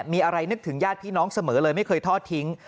มีอะไรนึกถึงญาติพี่น้องเสมอเลยไม่เคยทอดทิ้ง